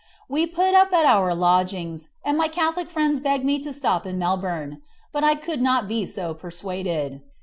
We put up at our lodgings, and my Catholic friends begged me to stop in Melbourne; but I could not be so persuaded.